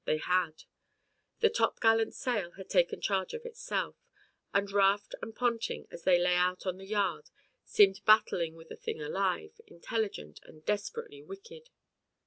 They had. The top gallant sail had taken charge of itself, and Raft and Ponting as they lay out on the yard seemed battling with a thing alive, intelligent, and desperately wicked.